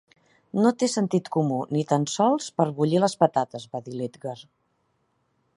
"No té sentit comú, ni tan sols per bullir les patates", va dir l'Edgar.